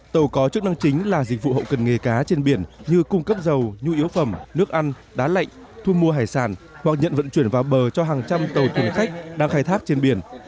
tàu có chức năng chính là dịch vụ hậu cần nghề cá trên biển như cung cấp dầu nhu yếu phẩm nước ăn đá lạnh thu mua hải sản hoặc nhận vận chuyển vào bờ cho hàng trăm tàu thuyền khách đang khai thác trên biển